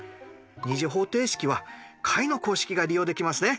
２次方程式は解の公式が利用できますね。